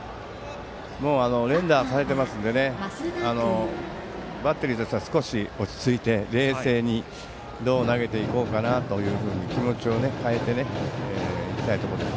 連打されていますからバッテリーとしては少し落ち着いて冷静にどう投げていこうかと気持ちを変えていきたいです。